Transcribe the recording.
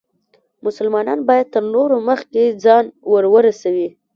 مسلمان باید تر نورو مخکې ځان ورورسوي.